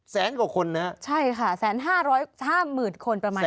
แสนกว่าคนนะครับแสนห้าหมื่นคนประมาณนั้นครับ